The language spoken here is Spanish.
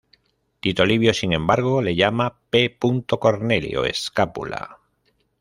Tito Livio, sin embargo, le llama P. Cornelio Escápula.